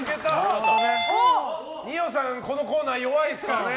二葉さん、このコーナー弱いですからね。